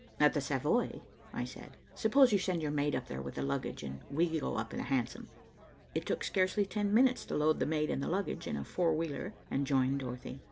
"At the Savoy," I said. "Suppose you send your maid up there with the luggage, and we go up in a hansom." It took scarcely ten minutes to load the maid and the luggage in a four wheeler and join Dorothy.